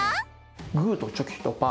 グーとチョキとパー。